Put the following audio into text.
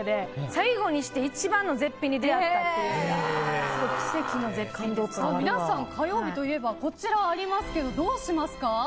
最後にして一番の絶品に出会ったっていう皆さん、火曜日といえばこちらがありますけどどうしますか。